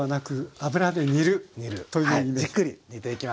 はいじっくり煮ていきます。